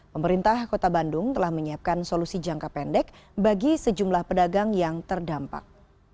pemerintah kota bandung telah menyiapkan solusi jangka pendek bagi sejumlah pedagang yang terdampak